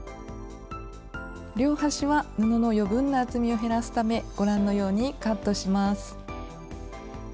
両端は布の余分な厚みを減らすためご覧のようにカットします。